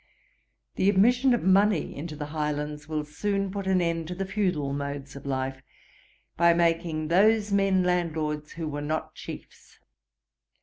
The admission of money into the Highlands will soon put an end to the feudal modes of life, by making those men landlords who were not chiefs.